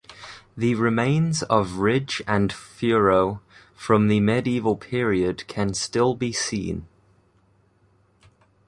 The remains of ridge and furrow from the medieval period can still be seen.